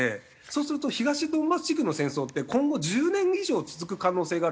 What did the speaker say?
そうすると東ドンバス地区の戦争って今後１０年以上続く可能性があるじゃないですか。